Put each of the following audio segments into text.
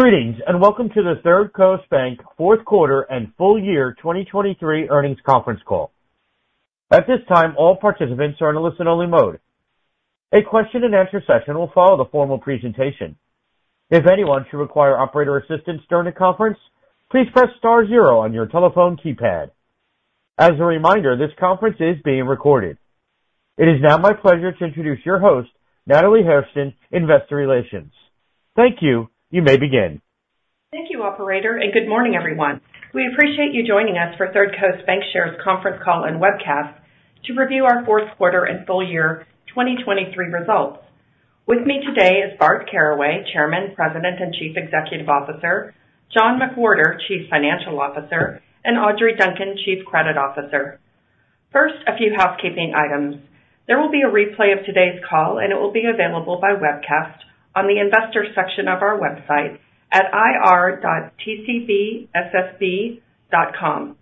Greetings, and welcome to the Third Coast Bank fourth quarter and full year 2023 earnings conference call. At this time, all participants are in a listen-only mode. A question and answer session will follow the formal presentation. If anyone should require operator assistance during the conference, please press star zero on your telephone keypad. As a reminder, this conference is being recorded. It is now my pleasure to introduce your host, Natalie Hairston, Investor Relations. Thank you. You may begin. Thank you, operator, and good morning, everyone. We appreciate you joining us for Third Coast Bancshares conference call and webcast to review our fourth quarter and full year 2023 results. With me today is Bart Caraway, Chairman, President, and Chief Executive Officer, John McWhorter, Chief Financial Officer, and Audrey Duncan, Chief Credit Officer. First, a few housekeeping items. There will be a replay of today's call, and it will be available by webcast on the investor section of our website at ir.tcbssb.com.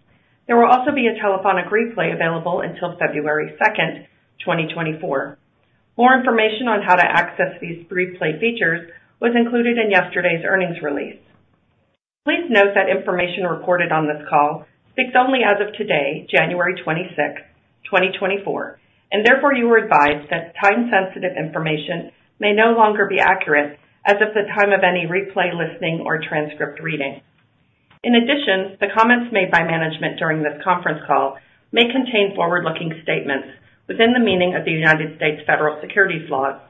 There will also be a telephonic replay available until February second, 2024. More information on how to access these replay features was included in yesterday's earnings release. Please note that information reported on this call speaks only as of today, January 26, 2024, and therefore you are advised that time-sensitive information may no longer be accurate as of the time of any replay, listening, or transcript reading. In addition, the comments made by management during this conference call may contain forward-looking statements within the meaning of the United States federal securities laws.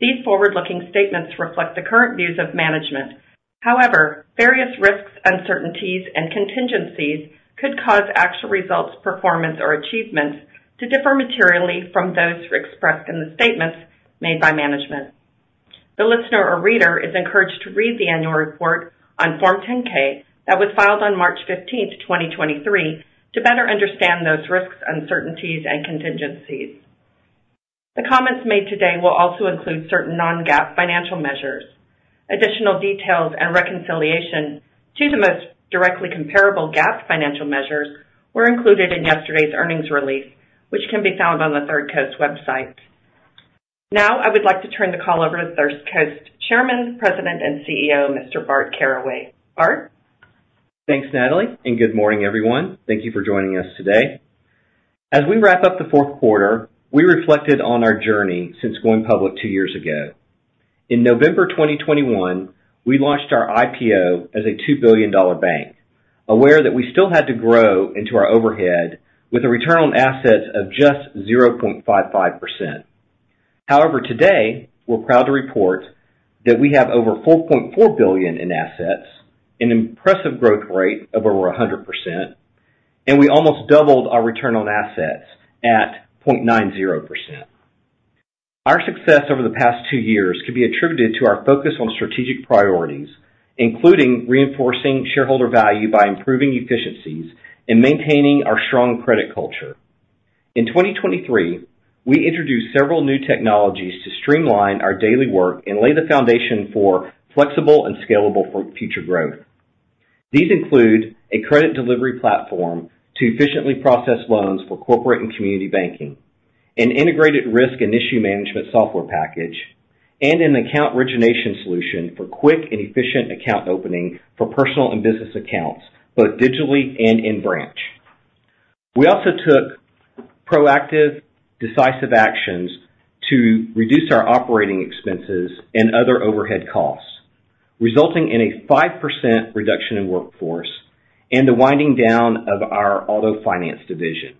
These forward-looking statements reflect the current views of management. However, various risks, uncertainties, and contingencies could cause actual results, performance, or achievements to differ materially from those expressed in the statements made by management. The listener or reader is encouraged to read the annual report on Form 10-K that was filed on March 15, 2023, to better understand those risks, uncertainties, and contingencies. The comments made today will also include certain non-GAAP financial measures. Additional details and reconciliation to the most directly comparable GAAP financial measures were included in yesterday's earnings release, which can be found on the Third Coast website. Now, I would like to turn the call over to Third Coast Chairman, President, and CEO, Mr. Bart Caraway. Bart? Thanks, Natalie, and good morning, everyone. Thank you for joining us today. As we wrap up the fourth quarter, we reflected on our journey since going public two years ago. In November 2021, we launched our IPO as a $2 billion bank, aware that we still had to grow into our overhead with a return on assets of just 0.55%. However, today, we're proud to report that we have over $4.4 billion in assets, an impressive growth rate of over 100%, and we almost doubled our return on assets at 0.90%. Our success over the past two years can be attributed to our focus on strategic priorities, including reinforcing shareholder value by improving efficiencies and maintaining our strong credit culture. In 2023, we introduced several new technologies to streamline our daily work and lay the foundation for flexible and scalable for future growth. These include a credit delivery platform to efficiently process loans for corporate and community banking, an integrated risk and issue management software package, and an account origination solution for quick and efficient account opening for personal and business accounts, both digitally and in branch. We also took proactive, decisive actions to reduce our operating expenses and other overhead costs, resulting in a 5% reduction in workforce and the winding down of our auto finance division.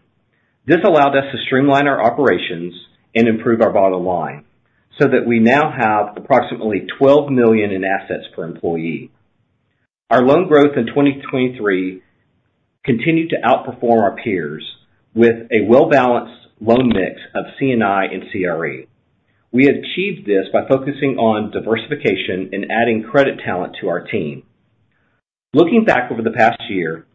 This allowed us to streamline our operations and improve our bottom line so that we now have approximately $12 million in assets per employee. Our loan growth in 2023 continued to outperform our peers with a well-balanced loan mix of C&I and CRE. We achieved this by focusing on diversification and adding credit talent to our team. Looking back over the past year,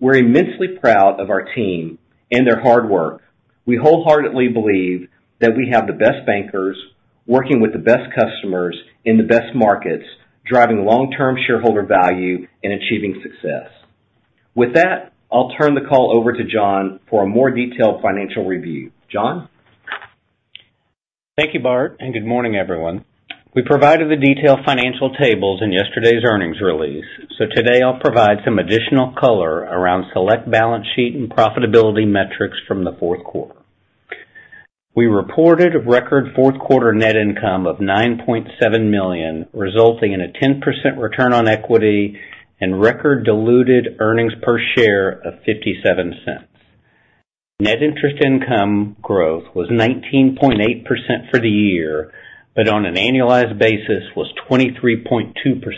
we're immensely proud of our team and their hard work. We wholeheartedly believe that we have the best bankers working with the best customers in the best markets, driving long-term shareholder value and achieving success. With that, I'll turn the call over to John for a more detailed financial review. John? Thank you, Bart, and good morning, everyone. We provided the detailed financial tables in yesterday's earnings release, so today I'll provide some additional color around select balance sheet and profitability metrics from the fourth quarter. We reported record fourth quarter net income of $9.7 million, resulting in a 10% return on equity and record diluted earnings per share of $0.57. Net interest income growth was 19.8% for the year, but on an annualized basis was 23.2%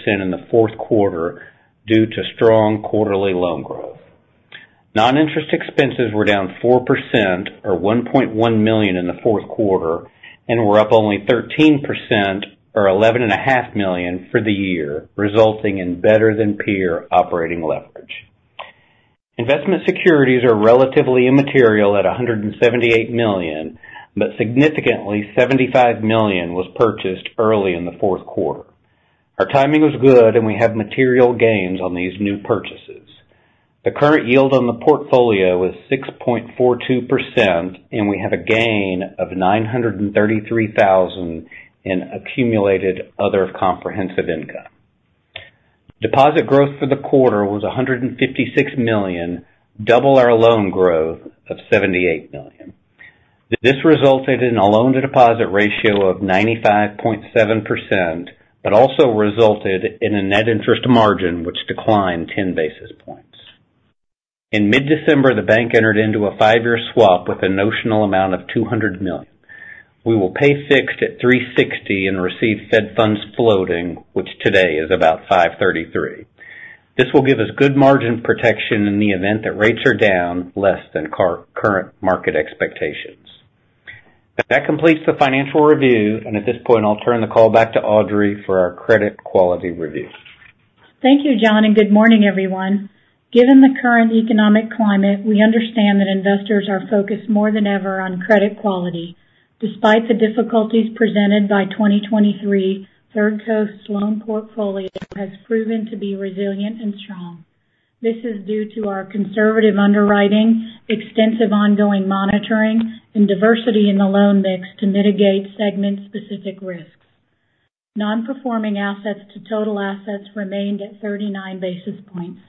in the fourth quarter due to strong quarterly loan growth. Non-interest expenses were down 4% or $1.1 million in the fourth quarter, and were up only 13% or $11.5 million for the year, resulting in better than peer operating leverage. Investment securities are relatively immaterial at $178 million, but significantly $75 million was purchased early in the fourth quarter. Our timing was good, and we have material gains on these new purchases. ...The current yield on the portfolio was 6.42%, and we had a gain of $933,000 in accumulated other comprehensive income. Deposit growth for the quarter was $156 million, double our loan growth of $78 million. This resulted in a loan-to-deposit ratio of 95.7%, but also resulted in a net interest margin, which declined 10 basis points. In mid-December, the bank entered into a five-year swap with a notional amount of $200 million. We will pay fixed at 3.60 and receive Fed funds floating, which today is about 5.33. This will give us good margin protection in the event that rates are down less than current market expectations. That completes the financial review, and at this point, I'll turn the call back to Audrey for our credit quality review. Thank you, John, and good morning, everyone. Given the current economic climate, we understand that investors are focused more than ever on credit quality. Despite the difficulties presented by 2023, Third Coast's loan portfolio has proven to be resilient and strong. This is due to our conservative underwriting, extensive ongoing monitoring, and diversity in the loan mix to mitigate segment-specific risks. Non-performing assets to total assets remained at 39 basis points.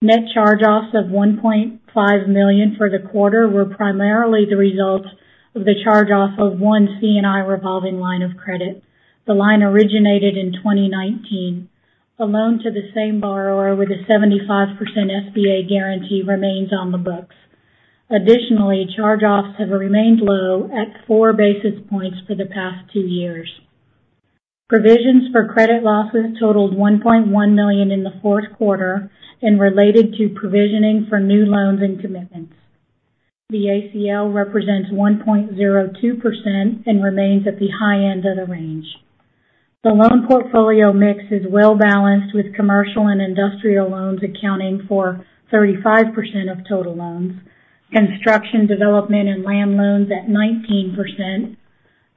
Net charge-offs of $1.5 million for the quarter were primarily the result of the charge-off of one C&I revolving line of credit. The line originated in 2019. A loan to the same borrower with a 75% SBA guarantee remains on the books. Additionally, charge-offs have remained low at 4 basis points for the past two years. Provisions for credit losses totaled $1.1 million in the fourth quarter and related to provisioning for new loans and commitments. The ACL represents 1.02% and remains at the high end of the range. The loan portfolio mix is well-balanced, with commercial and industrial loans accounting for 35% of total loans, construction, development, and land loans at 19%,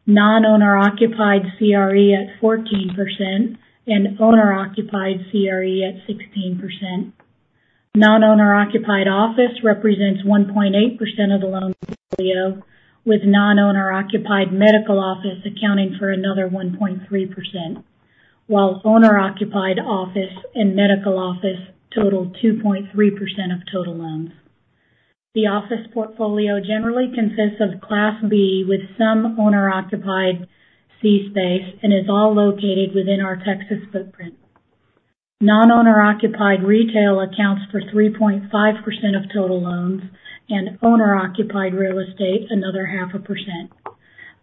non-owner-occupied CRE at 14%, and owner-occupied CRE at 16%. Non-owner-occupied office represents 1.8% of the loan portfolio, with non-owner-occupied medical office accounting for another 1.3%, while owner-occupied office and medical office total 2.3% of total loans. The office portfolio generally consists of Class B, with some owner-occupied C space, and is all located within our Texas footprint. Non-owner-occupied retail accounts for 3.5% of total loans and owner-occupied real estate, another 0.5%.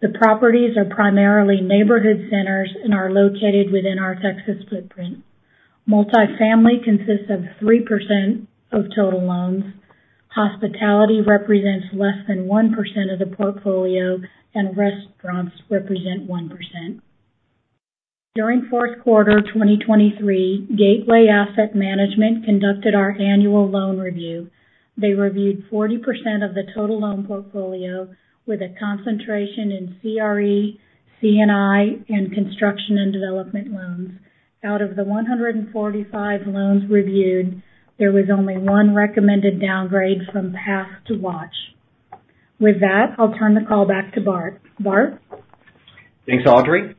The properties are primarily neighborhood centers and are located within our Texas footprint. Multifamily consists of 3% of total loans. Hospitality represents less than 1% of the portfolio, and restaurants represent 1%. During fourth quarter 2023, Gateway Asset Management conducted our annual loan review. They reviewed 40% of the total loan portfolio with a concentration in CRE, C&I, and construction and development loans. Out of the 145 loans reviewed, there was only one recommended downgrade from pass to watch. With that, I'll turn the call back to Bart. Bart? Thanks, Audrey.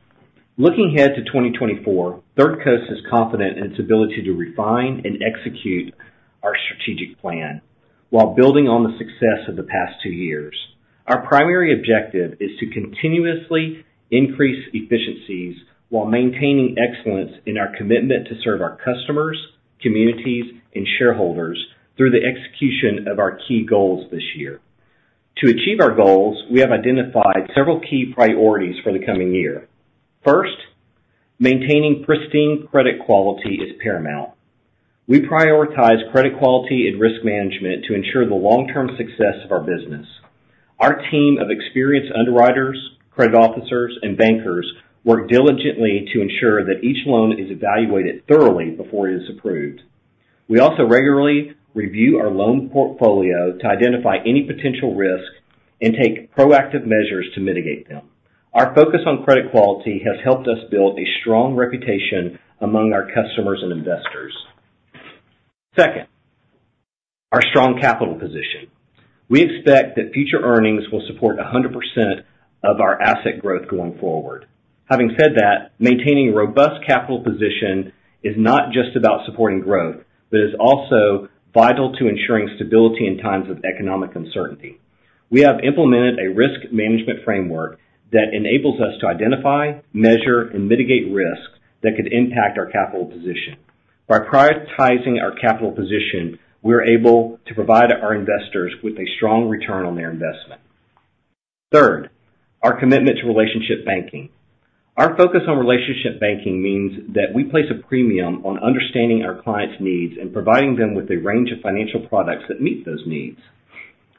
Looking ahead to 2024, Third Coast is confident in its ability to refine and execute our strategic plan while building on the success of the past two years. Our primary objective is to continuously increase efficiencies while maintaining excellence in our commitment to serve our customers, communities, and shareholders through the execution of our key goals this year. To achieve our goals, we have identified several key priorities for the coming year. First, maintaining pristine credit quality is paramount. We prioritize credit quality and risk management to ensure the long-term success of our business. Our team of experienced underwriters, credit officers, and bankers work diligently to ensure that each loan is evaluated thoroughly before it is approved. We also regularly review our loan portfolio to identify any potential risks and take proactive measures to mitigate them. Our focus on credit quality has helped us build a strong reputation among our customers and investors. Second, our strong capital position. We expect that future earnings will support 100% of our asset growth going forward. Having said that, maintaining a robust capital position is not just about supporting growth, but is also vital to ensuring stability in times of economic uncertainty. We have implemented a risk management framework that enables us to identify, measure, and mitigate risks that could impact our capital position. By prioritizing our capital position, we're able to provide our investors with a strong return on their investment. Third, our commitment to relationship banking. Our focus on relationship banking means that we place a premium on understanding our clients' needs and providing them with a range of financial products that meet those needs.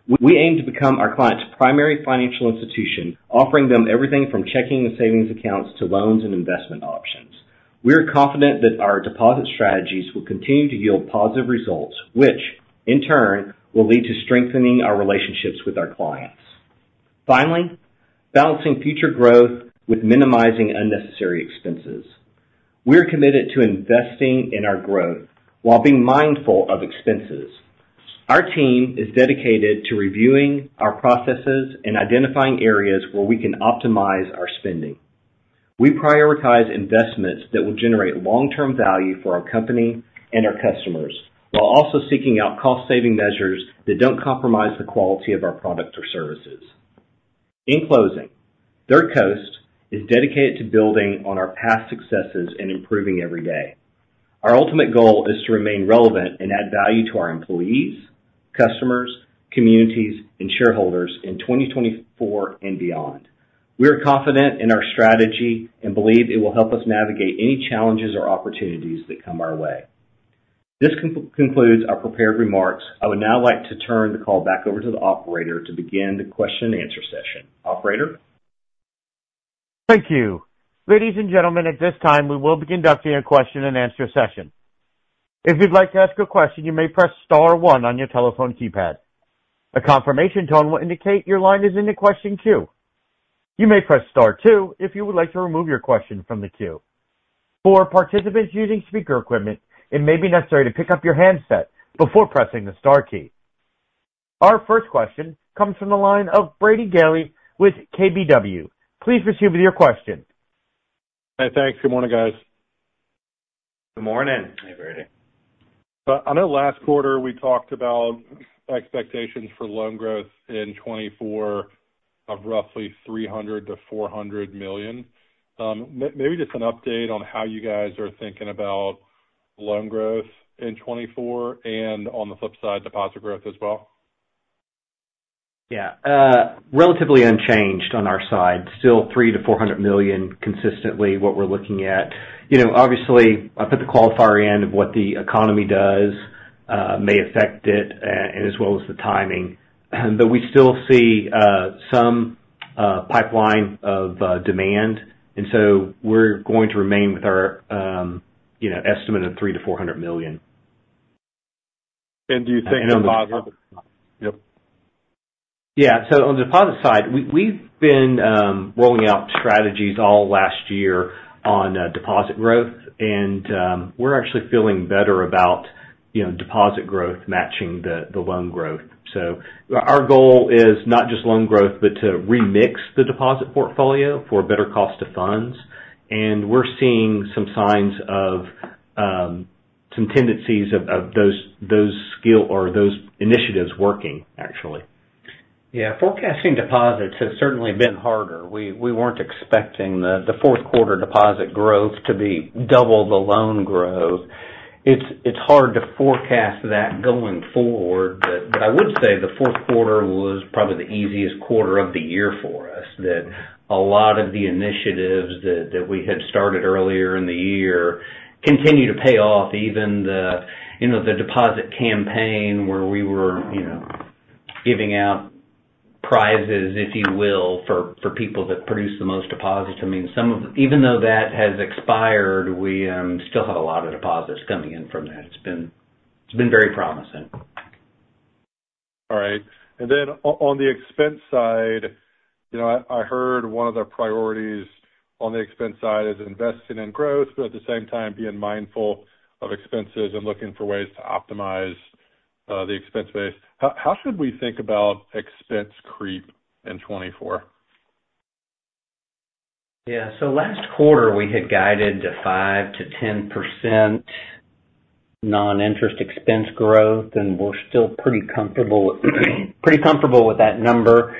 We aim to become our clients' primary financial institution, offering them everything from checking and savings accounts to loans and investment options. We are confident that our deposit strategies will continue to yield positive results, which in turn will lead to strengthening our relationships with our clients. Finally, balancing future growth with minimizing unnecessary expenses. We're committed to investing in our growth while being mindful of expenses. Our team is dedicated to reviewing our processes and identifying areas where we can optimize our spending. We prioritize investments that will generate long-term value for our company and our customers, while also seeking out cost-saving measures that don't compromise the quality of our products or services. In closing, Third Coast is dedicated to building on our past successes and improving every day. Our ultimate goal is to remain relevant and add value to our employees, customers, communities, and shareholders in 2024 and beyond. We are confident in our strategy and believe it will help us navigate any challenges or opportunities that come our way. This concludes our prepared remarks. I would now like to turn the call back over to the operator to begin the question and answer session. Operator? Thank you. Ladies and gentlemen, at this time, we will be conducting a question-and-answer session. If you'd like to ask a question, you may press star one on your telephone keypad. A confirmation tone will indicate your line is in the question queue. You may press star two if you would like to remove your question from the queue. For participants using speaker equipment, it may be necessary to pick up your handset before pressing the star key. Our first question comes from the line of Brady Gailey with KBW. Please proceed with your question. Hey, thanks. Good morning, guys. Good morning. Hey, Brady. I know last quarter, we talked about expectations for loan growth in 2024 of roughly $300 million-$400 million. Maybe just an update on how you guys are thinking about loan growth in 2024, and on the flip side, deposit growth as well. Yeah, relatively unchanged on our side. Still $300 million-$400 million consistently, what we're looking at. You know, obviously, I put the qualifier in of what the economy does, may affect it, and as well as the timing. But we still see, some, pipeline of, demand, and so we're going to remain with our, you know, estimate of $300 million-$400 million. And do you think- Yep. Yeah. So on the deposit side, we've been rolling out strategies all last year on deposit growth, and we're actually feeling better about, you know, deposit growth matching the loan growth. So our goal is not just loan growth, but to remix the deposit portfolio for better cost of funds. And we're seeing some signs of some tendencies of those skill or those initiatives working, actually. Yeah. Forecasting deposits has certainly been harder. We weren't expecting the fourth quarter deposit growth to be double the loan growth. It's hard to forecast that going forward, but I would say the fourth quarter was probably the easiest quarter of the year for us, that a lot of the initiatives that we had started earlier in the year continue to pay off, even, you know, the deposit campaign where we were, you know, giving out prizes, if you will, for people that produce the most deposits. I mean, some of even though that has expired, we still have a lot of deposits coming in from that. It's been very promising. All right. And then on the expense side, you know, I heard one of the priorities on the expense side is investing in growth, but at the same time, being mindful of expenses and looking for ways to optimize the expense base. How should we think about expense creep in 2024? Yeah. So last quarter, we had guided to 5%-10% non-interest expense growth, and we're still pretty comfortable, pretty comfortable with that number.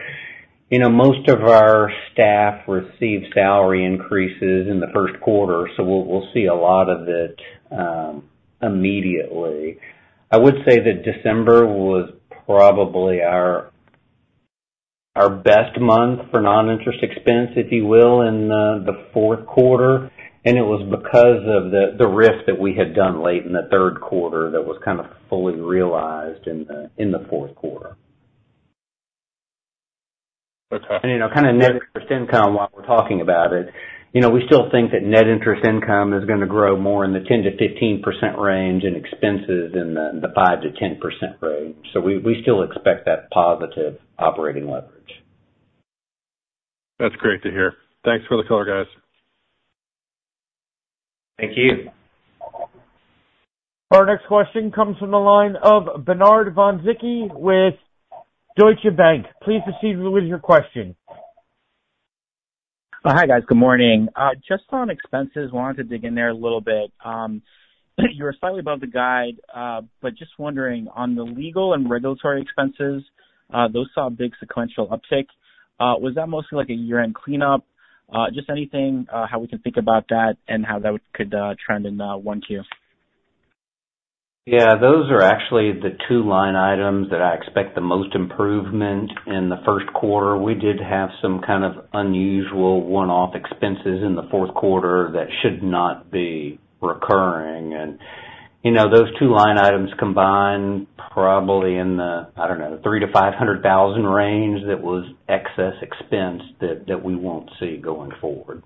You know, most of our staff received salary increases in the first quarter, so we'll, we'll see a lot of it immediately. I would say that December was probably our, our best month for non-interest expense, if you will, in the fourth quarter, and it was because of the, the risk that we had done late in the third quarter that was kind of fully realized in the fourth quarter. Okay. You know, kind of net interest income, while we're talking about it, you know, we still think that net interest income is gonna grow more in the 10%-15% range, and expenses in the 5%-10% range. So we still expect that positive operating leverage. That's great to hear. Thanks for the color, guys. Thank you. Our next question comes from the line of Bernard Von Gizycki with Deutsche Bank. Please proceed with your question. Hi, guys. Good morning. Just on expenses, wanted to dig in there a little bit. You were slightly above the guide, but just wondering, on the legal and regulatory expenses, those saw a big sequential uptick. Was that mostly like a year-end cleanup? Just anything, how we can think about that and how that could trend in one tier? Yeah. Those are actually the two line items that I expect the most improvement in the first quarter. We did have some kind of unusual one-off expenses in the fourth quarter that should not be recurring. And, you know, those two line items combined, probably in the, I don't know, $300,000-$500,000 range, that was excess expense that, that we won't see going forward,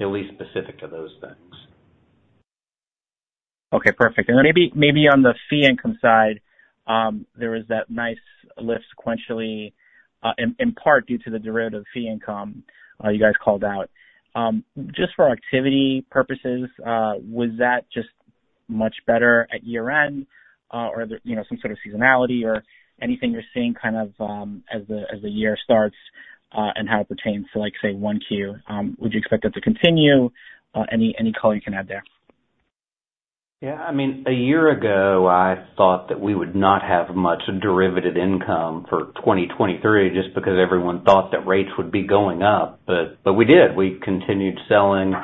at least specific to those things. ... Okay, perfect. And then maybe on the fee income side, there was that nice lift sequentially, in part due to the derivative fee income you guys called out. Just for activity purposes, was that just much better at year-end, or, you know, some sort of seasonality or anything you're seeing kind of as the year starts, and how it pertains to, like, say, 1Q? Would you expect that to continue? Any color you can add there? Yeah, I mean, a year ago, I thought that we would not have much derivative income for 2023 just because everyone thought that rates would be going up, but we did. We continued selling,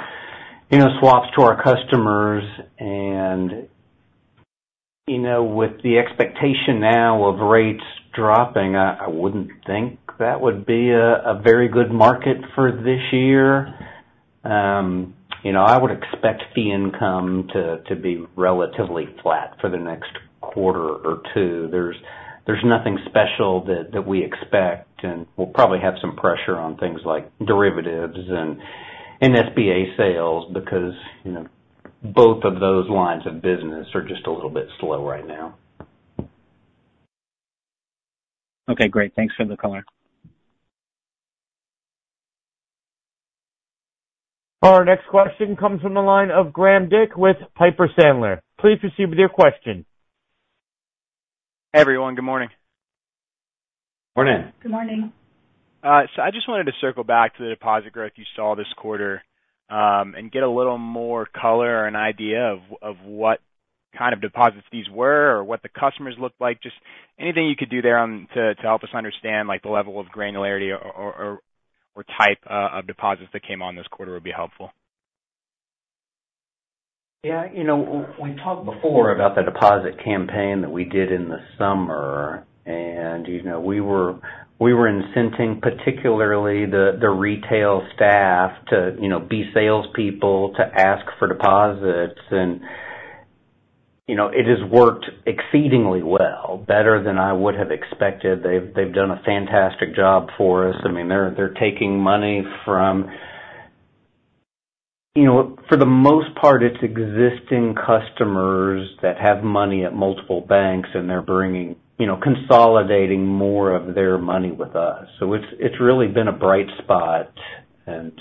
you know, swaps to our customers and, you know, with the expectation now of rates dropping, I wouldn't think that would be a very good market for this year. You know, I would expect fee income to be relatively flat for the next quarter or two. There's nothing special that we expect, and we'll probably have some pressure on things like derivatives and SBA sales because, you know, both of those lines of business are just a little bit slow right now. Okay, great. Thanks for the color. Our next question comes from the line of Graham Dick with Piper Sandler. Please proceed with your question. Hey, everyone. Good morning. Morning. Good morning. So I just wanted to circle back to the deposit growth you saw this quarter, and get a little more color or an idea of what kind of deposits these were or what the customers looked like. Just anything you could do there, to help us understand, like, the level of granularity or type of deposits that came on this quarter would be helpful. Yeah, you know, we talked before about the deposit campaign that we did in the summer, and, you know, we were incenting, particularly the retail staff to, you know, be salespeople, to ask for deposits. And, you know, it has worked exceedingly well, better than I would have expected. They've done a fantastic job for us. I mean, they're taking money from... You know, for the most part, it's existing customers that have money at multiple banks, and they're bringing, you know, consolidating more of their money with us. So it's really been a bright spot, and,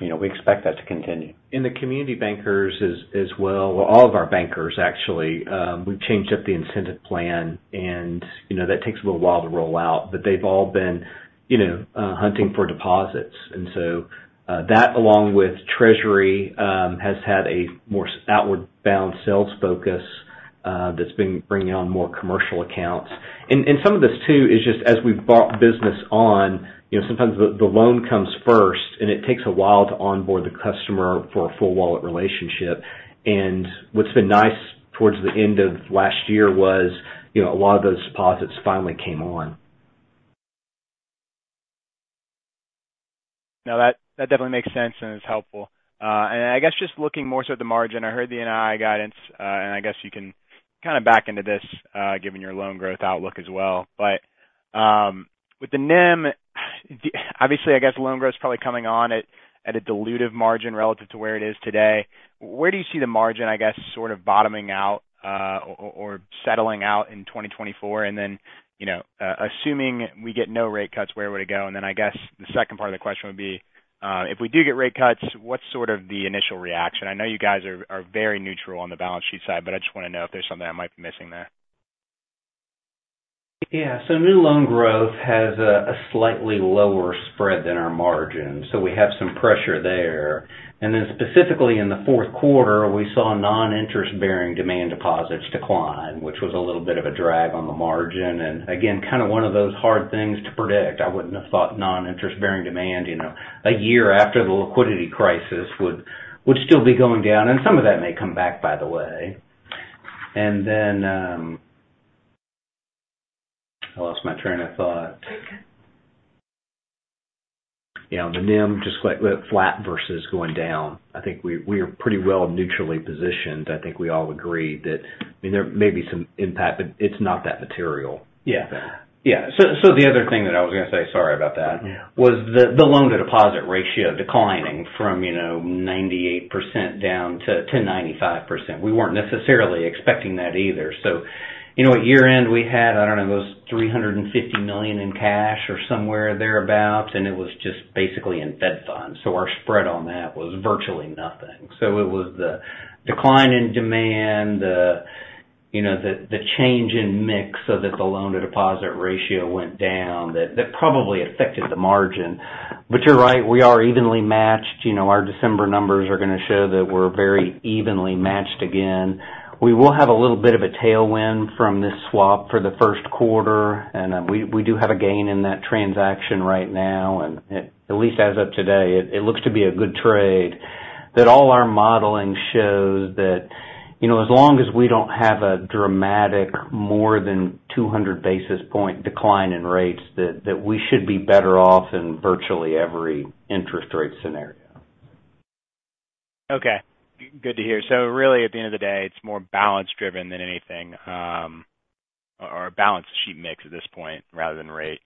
you know, we expect that to continue. And the community bankers as well all of our bankers, actually, we've changed up the incentive plan, and, you know, that takes a little while to roll out. But they've all been, you know, hunting for deposits. And so, that, along with Treasury, has had a more outward bound sales focus, that's been bringing on more commercial accounts. And some of this, too, is just as we've brought business on, you know, sometimes the loan comes first, and it takes a while to onboard the customer for a full wallet relationship. And what's been nice towards the end of last year was, you know, a lot of those deposits finally came on. No, that, that definitely makes sense, and it's helpful. I guess just looking more so at the margin, I heard the NII guidance, and I guess you can kind of back into this, given your loan growth outlook as well. With the NIM, obviously, I guess loan growth is probably coming on at, at a dilutive margin relative to where it is today. Where do you see the margin, I guess, sort of bottoming out, or settling out in 2024? And then, you know, assuming we get no rate cuts, where would it go? And then I guess the second part of the question would be, if we do get rate cuts, what's sort of the initial reaction? I know you guys are very neutral on the balance sheet side, but I just want to know if there's something I might be missing there. Yeah. So new loan growth has a slightly lower spread than our margin, so we have some pressure there. And then specifically in the fourth quarter, we saw non-interest-bearing demand deposits decline, which was a little bit of a drag on the margin. And again, kind of one of those hard things to predict. I wouldn't have thought non-interest-bearing demand, you know, a year after the liquidity crisis would still be going down, and some of that may come back, by the way. And then... I lost my train of thought. Take it. Yeah, the NIM, just like flat versus going down, I think we are pretty well neutrally positioned. I think we all agree that, I mean, there may be some impact, but it's not that material. Yeah. Yeah. So, so the other thing that I was going to say, sorry about that- Yeah... was the loan-to-deposit ratio declining from, you know, 98% down to 95%. We weren't necessarily expecting that either. So, you know, at year-end, we had, I don't know, it was $350 million in cash or somewhere thereabout, and it was just basically in Fed funds, so our spread on that was virtually nothing. So it was the decline in demand, the, you know, the change in mix so that the loan-to-deposit ratio went down, that probably affected the margin. But you're right, we are evenly matched. You know, our December numbers are going to show that we're very evenly matched again. We will have a little bit of a tailwind from this swap for the first quarter, and we do have a gain in that transaction right now. At least as of today, it looks to be a good trade. That all our modeling shows that, you know, as long as we don't have a dramatic more than 200 basis point decline in rates, that we should be better off in virtually every interest rate scenario. Okay, good to hear. So really, at the end of the day, it's more balance driven than anything, or a balance sheet mix at this point rather than rate.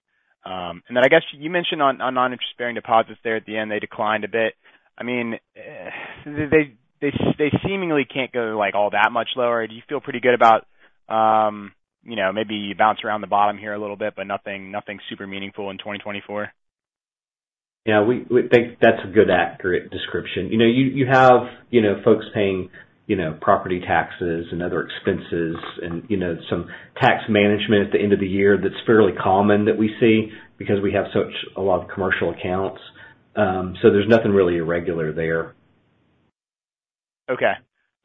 And then I guess you mentioned on non-interest-bearing deposits there at the end, they declined a bit. I mean, they seemingly can't go, like, all that much lower. Do you feel pretty good about, you know, maybe you bounce around the bottom here a little bit, but nothing super meaningful in 2024? Yeah, we, we think that's a good, accurate description. You know, you, you have, you know, folks paying, you know, property taxes and other expenses and, you know, some tax management at the end of the year that's fairly common that we see because we have such a lot of commercial accounts. So there's nothing really irregular there. Okay.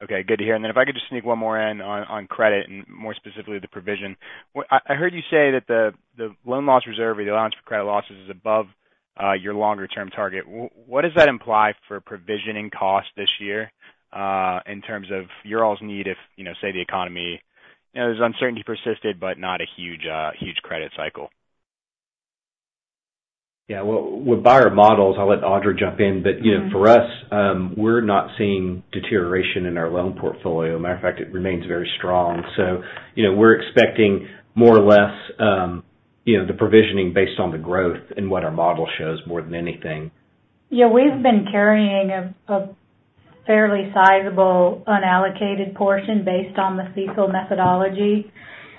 Okay, good to hear. And then if I could just sneak one more in on credit and more specifically, the provision. What I heard you say that the loan loss reserve or the allowance for credit losses is above your longer term target. What does that imply for provisioning costs this year in terms of y'all's need if, you know, say, the economy, you know, as uncertainty persisted, but not a huge credit cycle? Yeah, well, with buyer models, I'll let Audrey jump in. Mm-hmm. But, you know, for us, we're not seeing deterioration in our loan portfolio. Matter of fact, it remains very strong. So, you know, we're expecting more or less, you know, the provisioning based on the growth and what our model shows more than anything. Yeah, we've been carrying a fairly sizable unallocated portion based on the CECL methodology.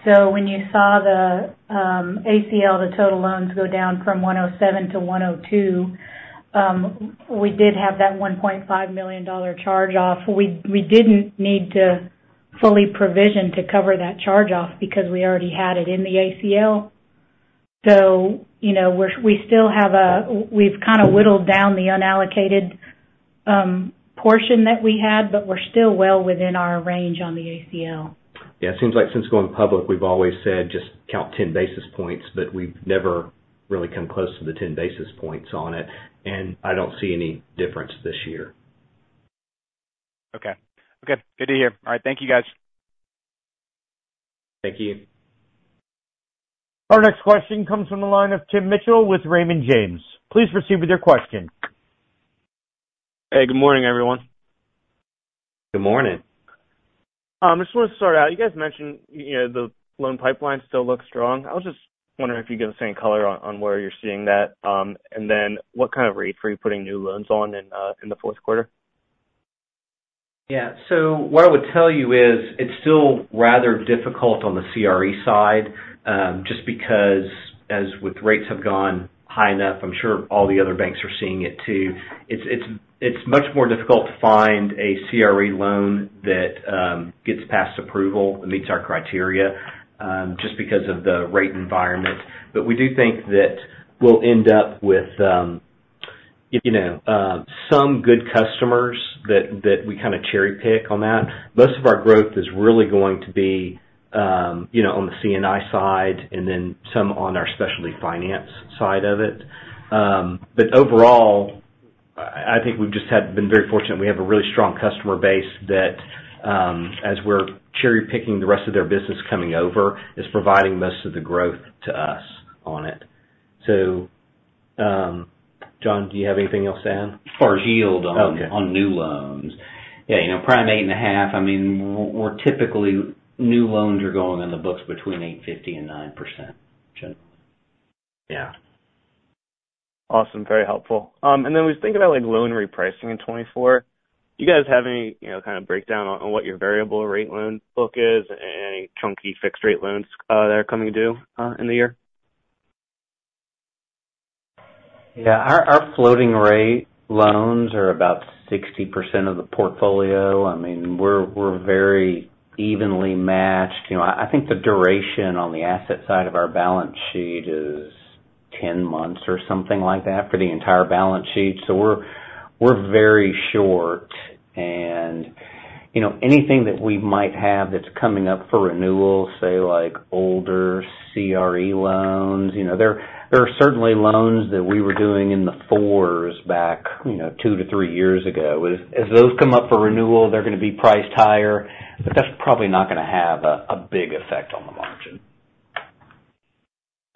So when you saw the ACL to total loans go down from 1.07% to 1.02%, we did have that $1.5 million charge-off. We didn't need to fully provision to cover that charge-off because we already had it in the ACL. So, you know, we're. We still have. We've kind of whittled down the unallocated portion that we had, but we're still well within our range on the ACL. Yeah, it seems like since going public, we've always said, just count 10 basis points, but we've never really come close to the 10 basis points on it, and I don't see any difference this year. Okay. Okay, good to hear. All right, thank you, guys. Thank you. Our next question comes from the line of Tim Mitchell with Raymond James. Please proceed with your question. Hey, good morning, everyone. Good morning. I just want to start out. You guys mentioned, you know, the loan pipeline still looks strong. I was just wondering if you could give the same color on where you're seeing that. And then what kind of rate were you putting new loans on in the fourth quarter? Yeah. So what I would tell you is, it's still rather difficult on the CRE side, just because as with rates have gone high enough, I'm sure all the other banks are seeing it too. It's much more difficult to find a CRE loan that gets past approval and meets our criteria, just because of the rate environment. But we do think that we'll end up with, you know, some good customers that we kind of cherry-pick on that. Most of our growth is really going to be, you know, on the C&I side and then some on our specialty finance side of it. But overall, I think we've just had been very fortunate. We have a really strong customer base that, as we're cherry-picking the rest of their business coming over, is providing most of the growth to us on it. So, John, do you have anything else to add? As far as yield on- Okay on new loans? Yeah, you know, prime 8.5. I mean, we're typically, new loans are going on the books between 8.5%-9%, generally. Yeah. Awesome. Very helpful. And then when we think about, like, loan repricing in 2024, do you guys have any, you know, kind of breakdown on what your variable rate loan book is and any chunky fixed-rate loans that are coming due in the year? Yeah. Our floating rate loans are about 60% of the portfolio. I mean, we're very evenly matched. You know, I think the duration on the asset side of our balance sheet is 10 months or something like that for the entire balance sheet. So we're very short. And, you know, anything that we might have that's coming up for renewal, say, like older CRE loans, you know, there are certainly loans that we were doing in the fours back, you know, 2-3 years ago. As those come up for renewal, they're gonna be priced higher, but that's probably not gonna have a big effect on the margin.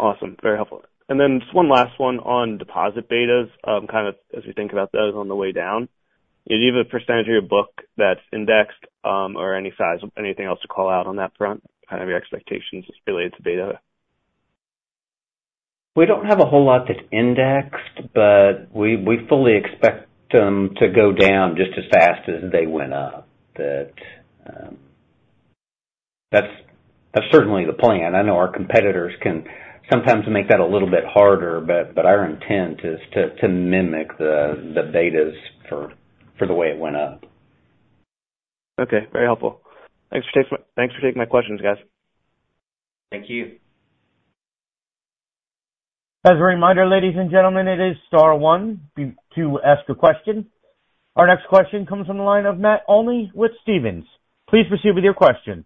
Awesome. Very helpful. And then just one last one on deposit betas. Kind of as we think about those on the way down, is either a percentage of your book that's indexed, or any size, anything else to call out on that front? Kind of your expectations as related to beta. We don't have a whole lot that's indexed, but we fully expect them to go down just as fast as they went up. That's certainly the plan. I know our competitors can sometimes make that a little bit harder, but our intent is to mimic the betas for the way it went up. Okay, very helpful. Thanks for taking, thanks for taking my questions, guys. Thank you. As a reminder, ladies and gentlemen, it is star one to ask a question. Our next question comes from the line of Matt Olney with Stephens. Please proceed with your question.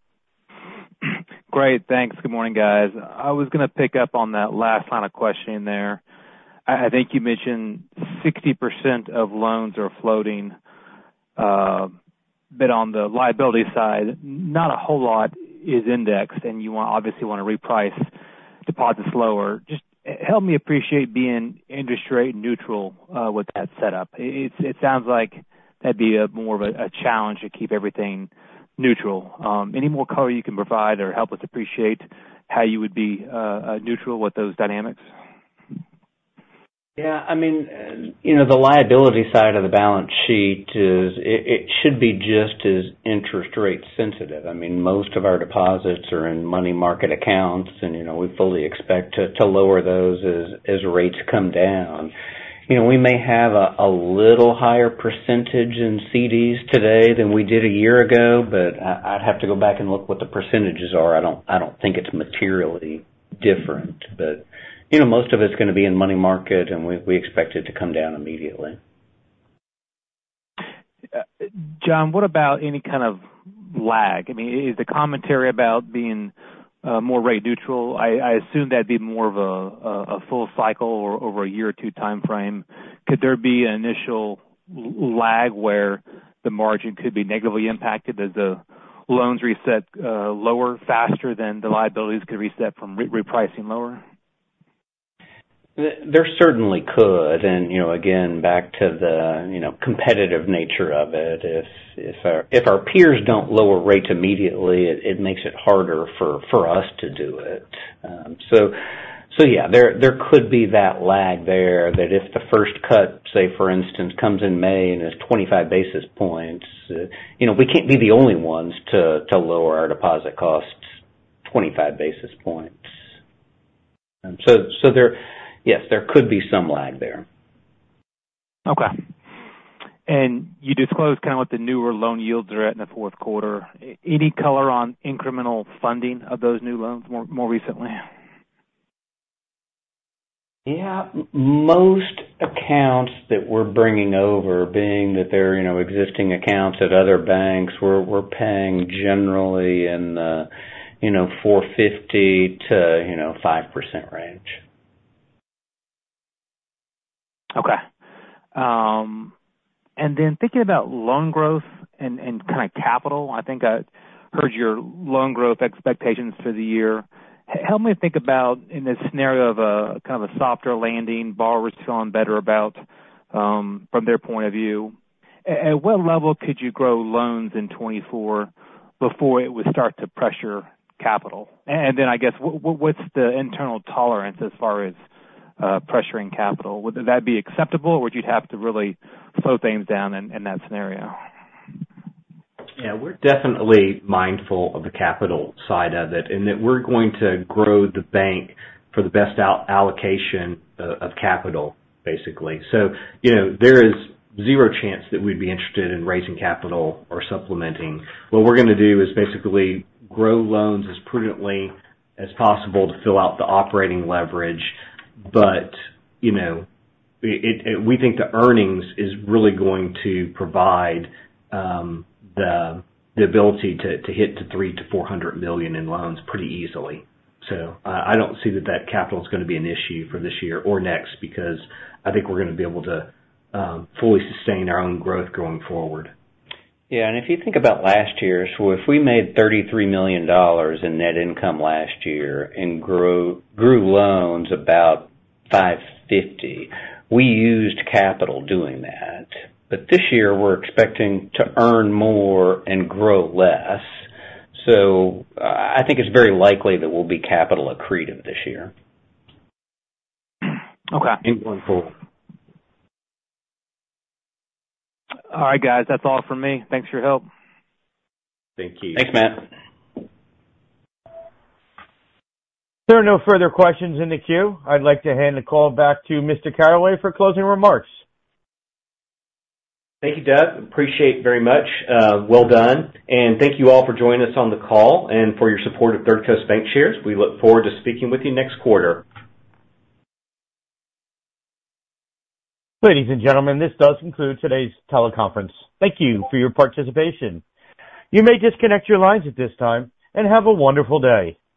Great, thanks. Good morning, guys. I was gonna pick up on that last line of questioning there. I think you mentioned 60% of loans are floating, but on the liability side, not a whole lot is indexed, and you want—obviously, want to reprice deposits lower. Just help me appreciate being industry neutral with that setup. It sounds like that'd be more of a challenge to keep everything neutral. Any more color you can provide or help us appreciate how you would be neutral with those dynamics? Yeah, I mean, you know, the liability side of the balance sheet is, it should be just as interest rate sensitive. I mean, most of our deposits are in money market accounts, and, you know, we fully expect to lower those as rates come down. You know, we may have a little higher percentage in CDs today than we did a year ago, but I, I'd have to go back and look what the percentages are. I don't, I don't think it's materially different. But, you know, most of it's gonna be in money market, and we, we expect it to come down immediately. John, what about any kind of lag? I mean, is the commentary about being more rate neutral? I assume that'd be more of a full cycle or over a year or two timeframe. Could there be an initial lag where the margin could be negatively impacted as the loans reset lower faster than the liabilities could reset from repricing lower? There certainly could. You know, again, back to the, you know, competitive nature of it, if our peers don't lower rates immediately, it makes it harder for us to do it. So yeah, there could be that lag there, that if the first cut, say, for instance, comes in May and is 25 basis points, you know, we can't be the only ones to lower our deposit costs 25 basis points. So there, yes, there could be some lag there. Okay. And you disclosed kind of what the newer loan yields are at in the fourth quarter. Any color on incremental funding of those new loans more recently? Yeah. Most accounts that we're bringing over, being that they're, you know, existing accounts at other banks, we're paying generally in the, you know, 4.50%-5% range. Okay. And then thinking about loan growth and kind of capital, I think I heard your loan growth expectations for the year. Help me think about in this scenario of a kind of a softer landing, borrowers feeling better about, from their point of view, at what level could you grow loans in 2024 before it would start to pressure capital? And then, I guess, what, what's the internal tolerance as far as pressuring capital? Would that be acceptable, or would you have to really slow things down in that scenario? Yeah, we're definitely mindful of the capital side of it, and that we're going to grow the bank for the best out-allocation of capital, basically. So, you know, there is zero chance that we'd be interested in raising capital or supplementing. What we're gonna do is basically grow loans as prudently as possible to fill out the operating leverage. But, you know, we think the earnings is really going to provide the ability to hit $300 million-$400 million in loans pretty easily. So, I don't see that capital is gonna be an issue for this year or next, because I think we're gonna be able to fully sustain our own growth going forward. Yeah, and if you think about last year, so if we made $33 million in net income last year and grew loans about $550 million, we used capital doing that. But this year, we're expecting to earn more and grow less, so I think it's very likely that we'll be capital accretive this year. Okay. And wonderful. All right, guys, that's all from me. Thanks for your help. Thank you. Thanks, Matt. There are no further questions in the queue. I'd like to hand the call back to Mr. Caraway for closing remarks. Thank you, Doug. Appreciate very much. Well done, and thank you all for joining us on the call and for your support of Third Coast Bancshares. We look forward to speaking with you next quarter. Ladies and gentlemen, this does conclude today's teleconference. Thank you for your participation. You may disconnect your lines at this time, and have a wonderful day.